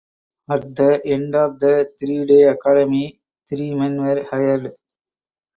At the end of the three day academy three men were hired.